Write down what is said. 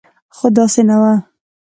خو داسې نه و.